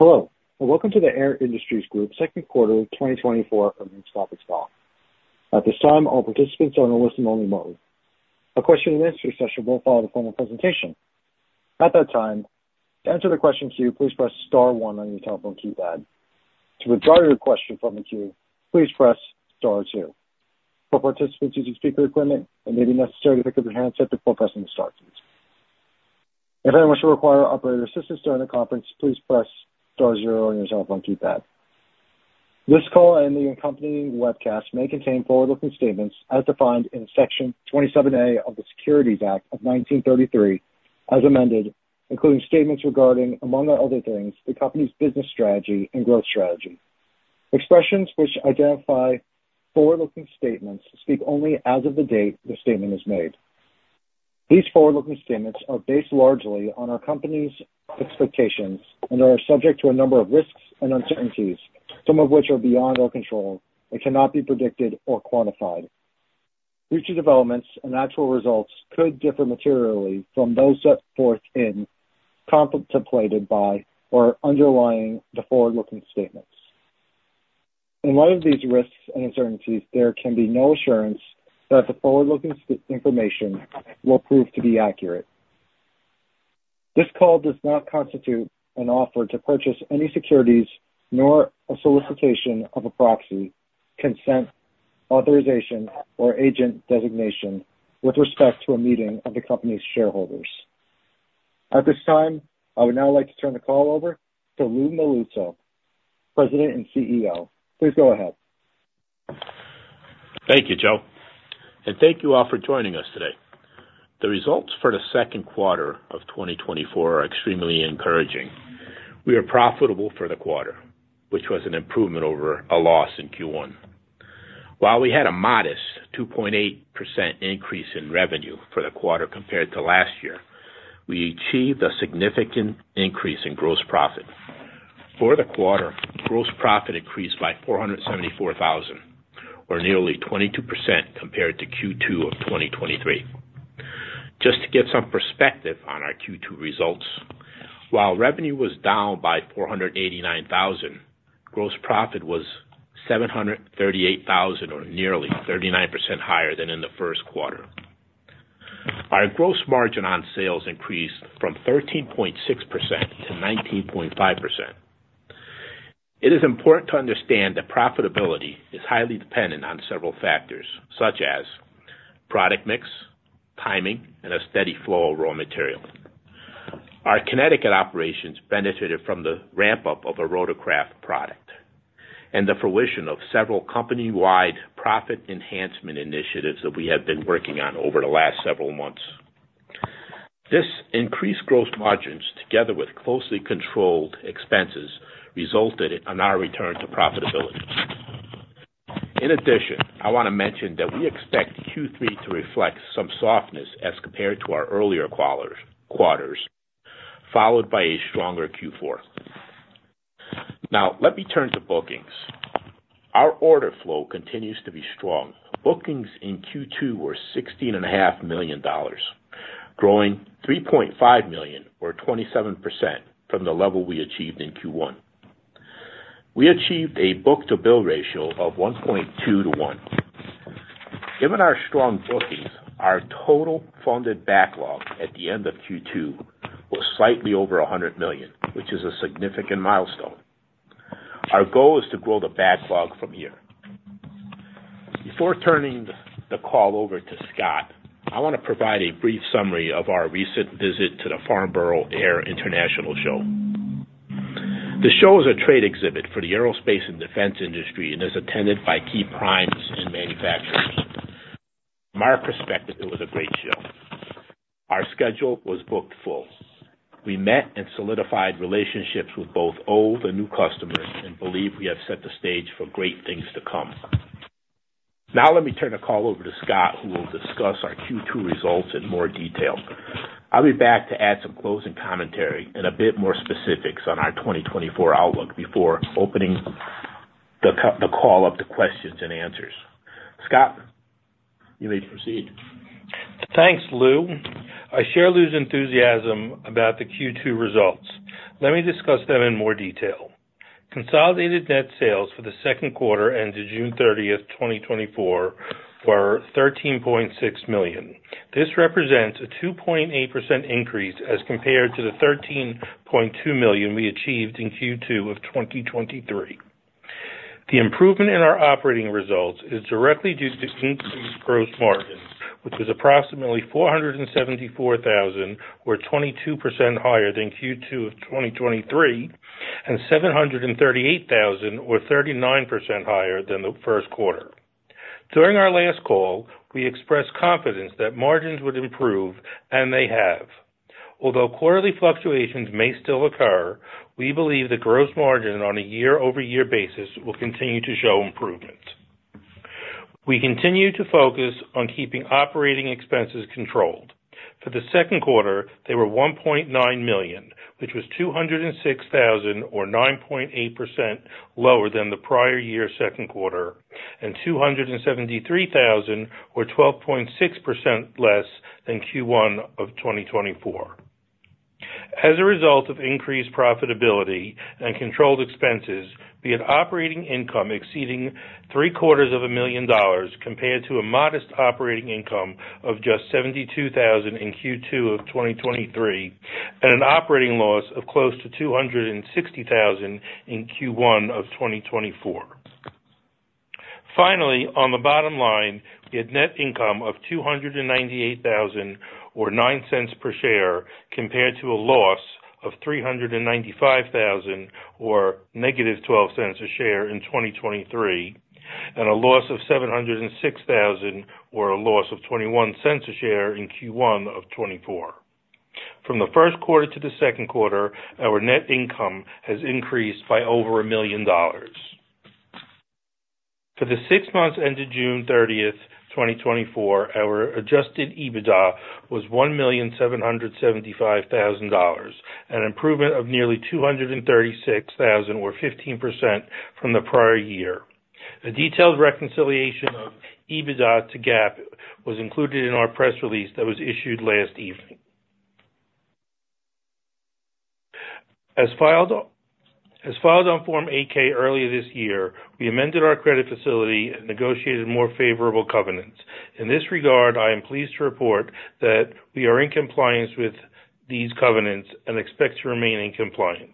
Hello, and welcome to the Air Industries Group second quarter 2024 earnings conference call. At this time, all participants are in a listen-only mode. A question and answer session will follow the formal presentation. At that time, to answer the question queue, please press star one on your telephone keypad. To withdraw your question from the queue, please press star two. For participants using speaker equipment, it may be necessary to pick up your handset before pressing the star keys. If anyone should require operator assistance during the conference, please press star zero on your telephone keypad. This call and the accompanying webcast may contain forward-looking statements as defined in Section 27A of the Securities Act of 1933, as amended, including statements regarding, among other things, the company's business strategy and growth strategy. Expressions which identify forward-looking statements speak only as of the date the statement is made. These forward-looking statements are based largely on our company's expectations and are subject to a number of risks and uncertainties, some of which are beyond our control and cannot be predicted or quantified. Future developments and actual results could differ materially from those set forth in, contemplated by, or underlying the forward-looking statements. In light of these risks and uncertainties, there can be no assurance that the forward-looking information will prove to be accurate. This call does not constitute an offer to purchase any securities, nor a solicitation of a proxy, consent, authorization, or agent designation with respect to a meeting of the company's shareholders. At this time, I would now like to turn the call over to Lou Melluzzo, President and CEO. Please go ahead. Thank you, Joe, and thank you all for joining us today. The results for the second quarter of 2024 are extremely encouraging. We are profitable for the quarter, which was an improvement over a loss in Q1. While we had a modest 2.8% increase in revenue for the quarter compared to last year, we achieved a significant increase in gross profit. For the quarter, gross profit increased by $474,000, or nearly 22% compared to Q2 of 2023. Just to get some perspective on our Q2 results, while revenue was down by $489,000, gross profit was $738,000, or nearly 39% higher than in the first quarter. Our gross margin on sales increased from 13.6% to 19.5%. It is important to understand that profitability is highly dependent on several factors, such as product mix, timing, and a steady flow of raw material. Our Connecticut operations benefited from the ramp-up of a rotorcraft product and the fruition of several company-wide profit enhancement initiatives that we have been working on over the last several months. This increased gross margins, together with closely controlled expenses, resulted in our return to profitability. In addition, I want to mention that we expect Q3 to reflect some softness as compared to our earlier quarters, followed by a stronger Q4. Now let me turn to bookings. Our order flow continues to be strong. Bookings in Q2 were $16.5 million, growing $3.5 million, or 27% from the level we achieved in Q1. We achieved a book-to-bill ratio of 1.2 to 1. Given our strong bookings, our total funded backlog at the end of Q2 was slightly over $100 million, which is a significant milestone. Our goal is to grow the backlog from here. Before turning the call over to Scott, I want to provide a brief summary of our recent visit to the Farnborough International Airshow. The show is a trade exhibit for the aerospace and defense industry and is attended by key primes and manufacturers. From our perspective, it was a great show. Our schedule was booked full. We met and solidified relationships with both old and new customers and believe we have set the stage for great things to come. Now let me turn the call over to Scott, who will discuss our Q2 results in more detail. I'll be back to add some closing commentary and a bit more specifics on our 2024 outlook before opening the call up to questions and answers. Scott, you may proceed. Thanks, Lou. I share Lou's enthusiasm about the Q2 results. Let me discuss them in more detail. Consolidated net sales for the second quarter ended June 30, 2024, were $13.6 million. This represents a 2.8% increase as compared to the $13.2 million we achieved in Q2 of 2023. The improvement in our operating results is directly due to increased gross margins, which was approximately $474,000, or 22% higher than Q2 of 2023, and $738,000, or 39% higher than the first quarter. During our last call, we expressed confidence that margins would improve, and they have. Although quarterly fluctuations may still occur, we believe the gross margin on a year-over-year basis will continue to show improvement. We continue to focus on keeping operating expenses controlled. For the second quarter, they were $1.9 million, which was $206,000, or 9.8% lower than the prior year's second quarter, and $273,000, or 12.6% less than Q1 of 2024. As a result of increased profitability and controlled expenses, we had operating income exceeding $750,000, compared to a modest operating income of just $72,000 in Q2 of 2023, and an operating loss of close to $260,000 in Q1 of 2024. Finally, on the bottom line, we had net income of $298,000, or $0.09 per share, compared to a loss of $395,000, or -$0.12 per share in 2023, and a loss of $706,000, or a loss of $0.21 per share in Q1 of 2024. From the first quarter to the second quarter, our net income has increased by over $1 million. For the six months ended June thirtieth, 2024, our adjusted EBITDA was $1,775,000, an improvement of nearly $236,000 or 15% from the prior year. A detailed reconciliation of EBITDA to GAAP was included in our press release that was issued last evening. As filed, as filed on Form 8-K earlier this year, we amended our credit facility and negotiated more favorable covenants. In this regard, I am pleased to report that we are in compliance with these covenants and expect to remain in compliance.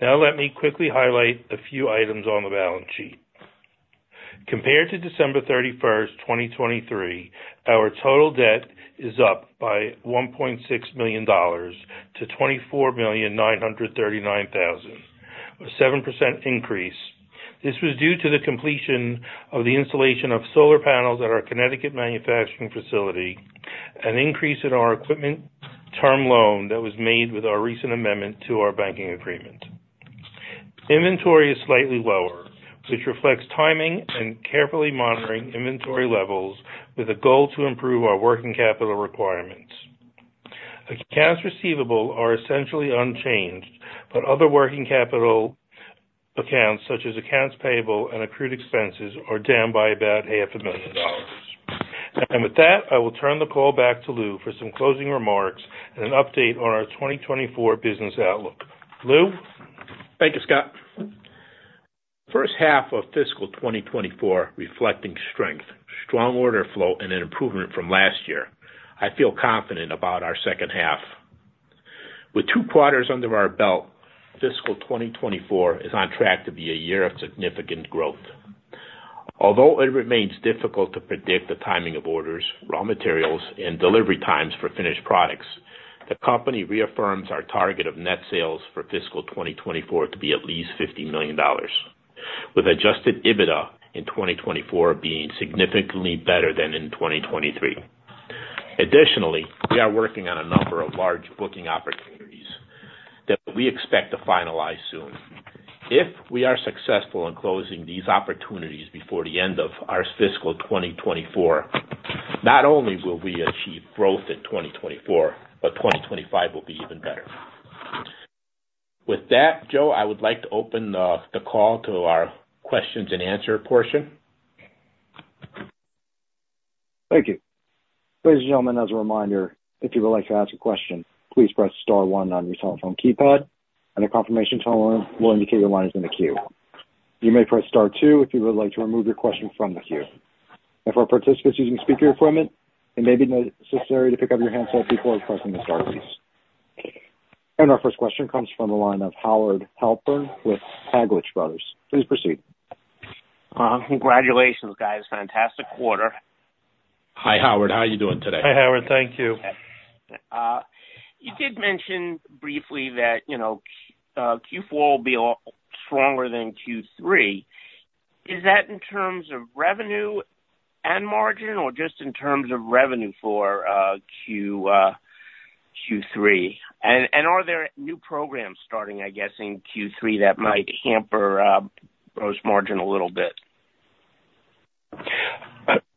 Now, let me quickly highlight a few items on the balance sheet. Compared to December 31, 2023, our total debt is up by $1.6 million to $24,939,000, a 7% increase. This was due to the completion of the installation of solar panels at our Connecticut manufacturing facility, an increase in our equipment term loan that was made with our recent amendment to our banking agreement. Inventory is slightly lower, which reflects timing and carefully monitoring inventory levels with a goal to improve our working capital requirements. Accounts receivable are essentially unchanged, but other working capital accounts, such as accounts payable and accrued expenses, are down by about $500,000. With that, I will turn the call back to Lou for some closing remarks and an update on our 2024 business outlook. Lou? Thank you, Scott. First half of fiscal 2024 reflecting strength, strong order flow and an improvement from last year, I feel confident about our second half. With 2 quarters under our belt, fiscal 2024 is on track to be a year of significant growth. Although it remains difficult to predict the timing of orders, raw materials, and delivery times for finished products, the company reaffirms our target of net sales for fiscal 2024 to be at least $50 million, with adjusted EBITDA in 2024 being significantly better than in 2023. Additionally, we are working on a number of large booking opportunities that we expect to finalize soon. If we are successful in closing these opportunities before the end of our fiscal 2024, not only will we achieve growth in 2024, but 2025 will be even better. With that, Joe, I would like to open the call to our questions and answer portion. Thank you. Ladies and gentlemen, as a reminder, if you would like to ask a question, please press star one on your telephone keypad, and a confirmation tone will indicate your line is in the queue. You may press star two if you would like to remove your question from the queue. And for our participants using speaker equipment, it may be necessary to pick up your handset before pressing the star keys. And our first question comes from the line of Howard Halpern with Taglich Brothers. Please proceed. Congratulations, guys. Fantastic quarter. Hi, Howard. How are you doing today? Hi, Howard. Thank you. You did mention briefly that, you know, Q4 will be a lot stronger than Q3. Is that in terms of revenue and margin, or just in terms of revenue for Q3? And are there new programs starting, I guess, in Q3 that might hamper gross margin a little bit?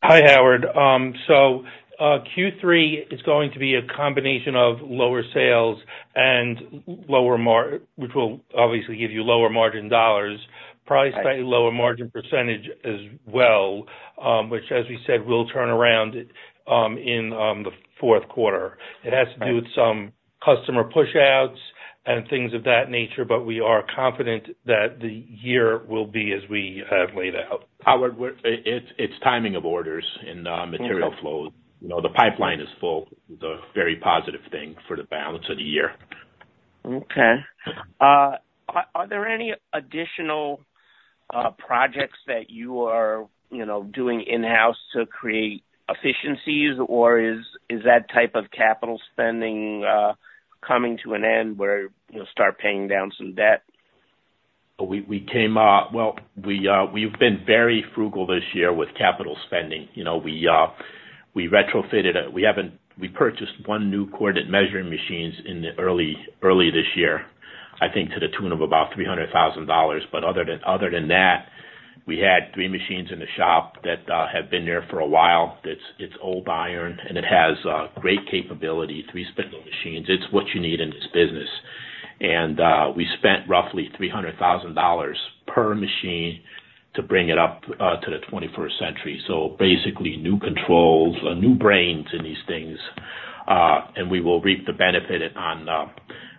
Hi, Howard. So, Q3 is going to be a combination of lower sales and lower margins, which will obviously give you lower margin dollars. Probably slightly lower margin percentage as well, which, as we said, will turn around in the fourth quarter. Right. It has to do with some customer pushouts and things of that nature, but we are confident that the year will be as we laid out. Howard, it's timing of orders in material flow. You know, the pipeline is full, it's a very positive thing for the balance of the year. Okay. Are there any additional projects that you are, you know, doing in-house to create efficiencies, or is that type of capital spending coming to an end where you'll start paying down some debt? Well, we've been very frugal this year with capital spending. You know, we retrofitted a—we haven't—we purchased 1 new coordinate measuring machine in the early, early this year, I think, to the tune of about $300,000. But other than that, we had 3 machines in the shop that have been there for a while. It's old iron, and it has great capability, 3-spindle machines. It's what you need in this business... and we spent roughly $300,000 per machine to bring it up to the 21st century. So basically, new controls, new brains in these things, and we will reap the benefit on.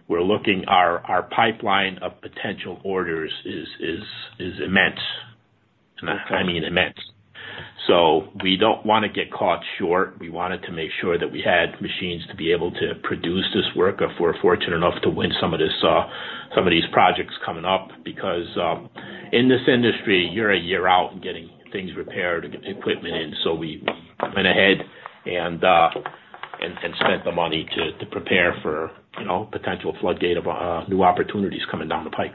We're looking, our pipeline of potential orders is immense. I mean, immense. So we don't want to get caught short. We wanted to make sure that we had machines to be able to produce this work if we're fortunate enough to win some of this, some of these projects coming up, because in this industry, you're a year out in getting things repaired and getting equipment in. So we went ahead and spent the money to prepare for, you know, potential floodgate of new opportunities coming down the pike.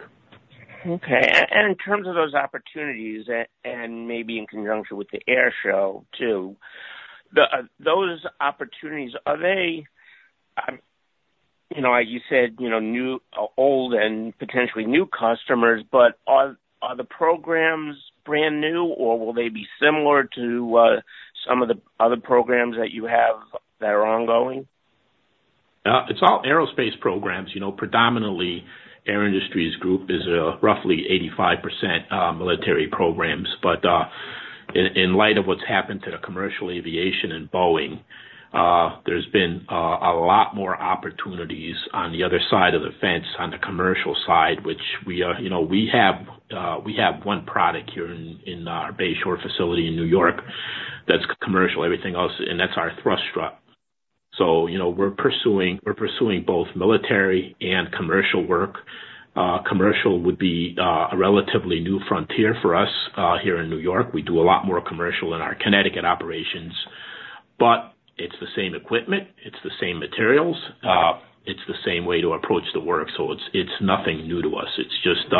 Okay. And in terms of those opportunities, and maybe in conjunction with the air show, too, the those opportunities, are they, you know, like you said, you know, new, old and potentially new customers, but are the programs brand new, or will they be similar to some of the other programs that you have that are ongoing? It's all aerospace programs. You know, predominantly, Air Industries Group is roughly 85% military programs, but in light of what's happened to the commercial aviation and Boeing, there's been a lot more opportunities on the other side of the fence, on the commercial side, which we are. You know, we have one product here in our Bay Shore facility in New York that's commercial. Everything else, and that's our thrust strut. So, you know, we're pursuing both military and commercial work. Commercial would be a relatively new frontier for us here in New York. We do a lot more commercial in our Connecticut operations, but it's the same equipment, it's the same materials, it's the same way to approach the work, so it's nothing new to us. It's just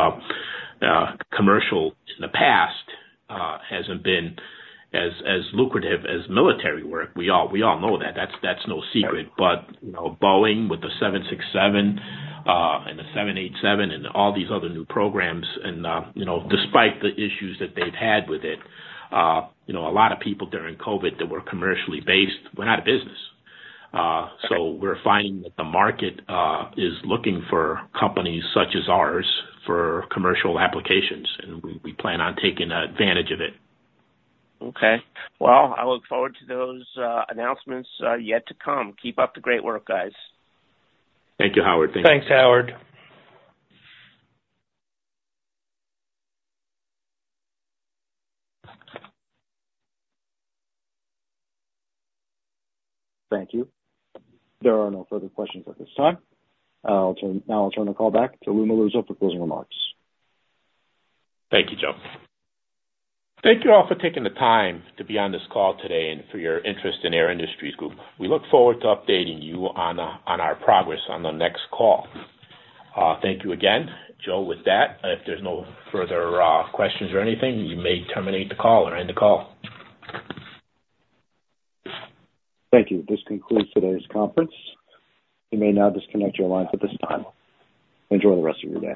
commercial in the past hasn't been as lucrative as military work. We all know that. That's no secret. But you know, Boeing with the 767 and the 787, and all these other new programs and you know, despite the issues that they've had with it, you know, a lot of people during COVID that were commercially based went out of business. So we're finding that the market is looking for companies such as ours for commercial applications, and we plan on taking advantage of it. Okay. Well, I look forward to those announcements yet to come. Keep up the great work, guys. Thank you, Howard. Thanks, Howard. Thank you. There are no further questions at this time. Now I'll turn the call back to Lou Melluzzo for closing remarks. Thank you, Joe. Thank you all for taking the time to be on this call today and for your interest in Air Industries Group. We look forward to updating you on our progress on the next call. Thank you again, Joe. With that, if there's no further questions or anything, you may terminate the call or end the call. Thank you. This concludes today's conference. You may now disconnect your lines at this time. Enjoy the rest of your day.